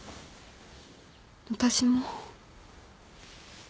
私も。